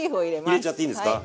入れちゃっていいんですか？